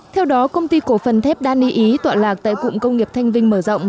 theo đó công ty cổ phần thép giana ý tọa lạc tại cụng công nghiệp thanh vinh mở rộng